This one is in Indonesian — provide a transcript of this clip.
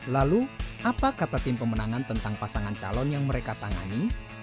lalu apa kata tim pemenangan tentang pasangan calon yang mereka tangani